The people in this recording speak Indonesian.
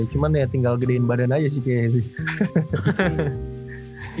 cuman ya tinggal gedein badan aja sih kayaknya